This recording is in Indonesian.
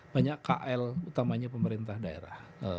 banyak kl utamanya pemerintah daerah